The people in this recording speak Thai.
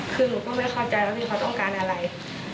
คือหนูก็ไม่เข้าใจว่าพี่เขาต้องการอะไร